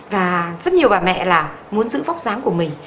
và rất nhiều bà mẹ là muốn giữ vóc dáng của mình